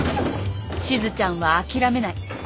しずちゃんは諦めない。